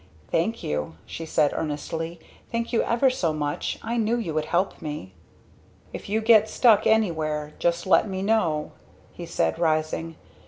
"Thank you!" she said earnestly. "Thank you ever so much. I knew you would help me." "If you get stuck anywhere just let me know," he said rising.